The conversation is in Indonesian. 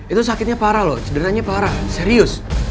itu sakitnya parah loh cederanya parah serius